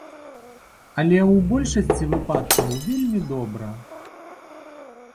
Але ў большасці выпадкаў вельмі добра.